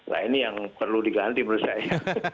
nah ini yang perlu diganti menurut saya